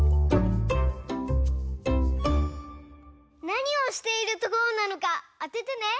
なにをしているところなのかあててね。